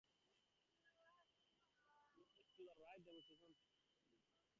The image to the right demonstrates this benefit.